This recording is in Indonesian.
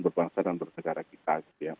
berbangsa dan bernegara kita